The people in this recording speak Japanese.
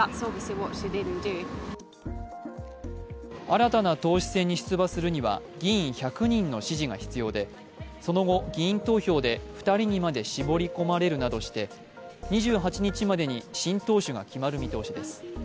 新たな党首選に出馬するには議員１００人の支持が必要でその後、議員投票で２人にまで絞り込まれるなどして２８日までに新党首が決まる見通しです。